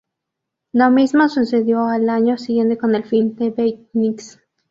Lo mismo sucedió al año siguiente con el film "The Beatniks".